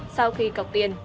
sau khi cọc tiền